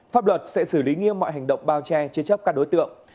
pháp luật sẽ xử lý nghiêm mọi hành động bao che chế chấp các đối tượng